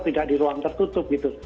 tidak di ruang tertutup gitu